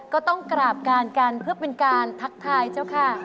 ก็ต้องกราบการกันเพื่อเป็นการทักทายเจ้าค่ะ